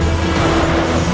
aku akan menang